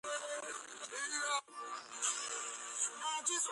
წყობაში ალაგ-ალაგ შეიმჩნევა დუღაბი.